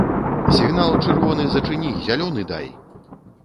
Сігнал чырвоны зачыні, зялёны дай!